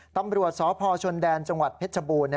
ตำรวจสพชนแดนจังหวัดเพชรบูรณ์